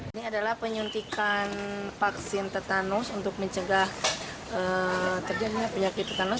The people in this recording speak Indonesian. ini adalah penyuntikan vaksin tetanus untuk mencegah terjadinya penyakit tetanus